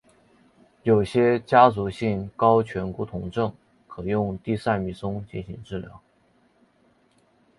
有些家族性高醛固酮症可用地塞米松进行治疗。